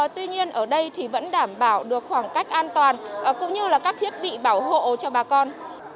tuy nhiên ở đây thì vẫn đảm bảo được khoảng cách an toàn cũng như là các thiết bị bảo hộ cho bà con